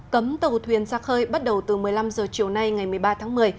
cấm tàu thuyền ra khơi bắt đầu từ một mươi năm h chiều nay ngày một mươi ba tháng một mươi